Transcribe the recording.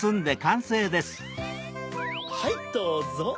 はいどうぞ。